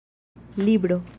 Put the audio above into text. libro